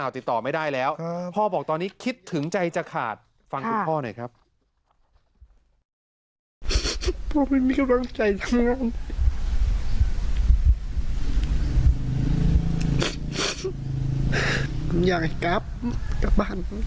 ตอนนี้คิดถึงใจจะขาดฟังอีกพ่อหน่อยครับ